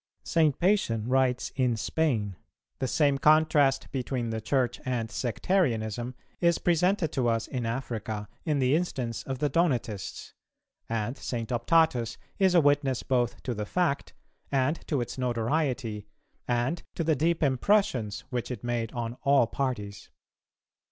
St. Pacian writes in Spain: the same contrast between the Church and sectarianism is presented to us in Africa in the instance of the Donatists; and St. Optatus is a witness both to the fact, and to its notoriety, and to the deep impressions which it made on all parties.